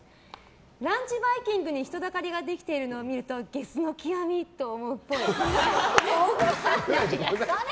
ランチバイキングに人だかりができているのを見るとゲスの極みと思うっぽい。